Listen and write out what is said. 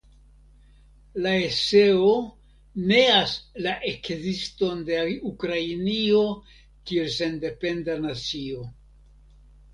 La eseo neas la ekziston de Ukrainio kiel sendependa nacio.